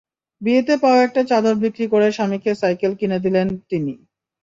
বিয়েতে পাওয়া একটা চাদর বিক্রি করে স্বামীকে সাইকেল কিনে দিলেন তিনি।